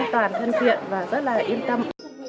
an toàn thân thiện và rất là yên tâm